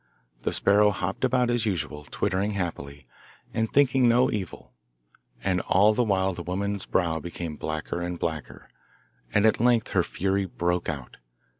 The sparrow hopped about as usual, twittering happily, and thinking no evil, and all the while the woman's brow became blacker and blacker, and at length her fury broke out.